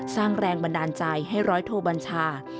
สร้างแรงบันดาลใจให้ร้อยโทบัญชา